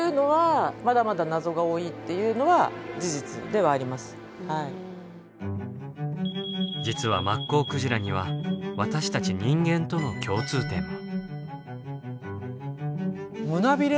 でも何でそんなに実はマッコウクジラには私たち人間との共通点も。